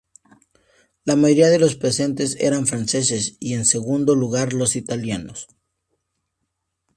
La mayoría de los presentes eran franceses y en segundo lugar los italianos.